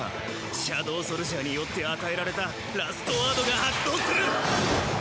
シャドウソルジャーによって与えられたラストワードが発動する！